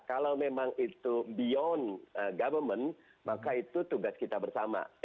kalau memang itu beyond government maka itu tugas kita bersama